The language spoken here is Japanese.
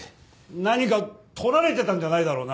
何か撮られてたんじゃないだろうな？